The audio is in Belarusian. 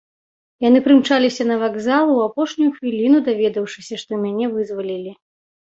Яны прымчаліся на вакзал, у апошнюю хвіліну даведаўшыся, што мяне вызвалілі.